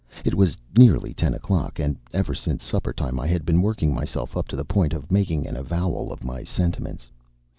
It was nearly ten o'clock, and ever since supper time I had been working myself up to the point of making an avowal of my sentiments.